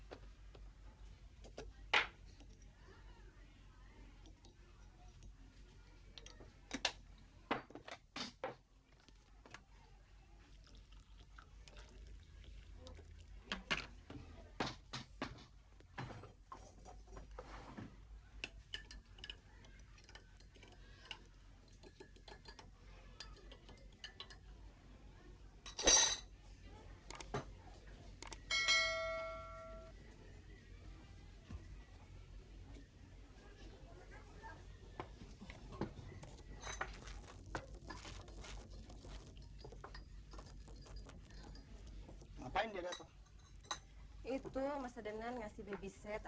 aduh makanya repot repot segala